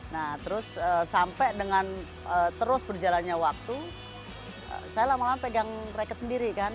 nah terus sampai dengan terus berjalannya waktu saya lama lama pegang reket sendiri kan